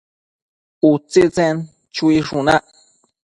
Utsitsen chuishunac